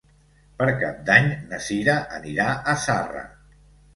Per Cap d'Any na Cira anirà a Zarra.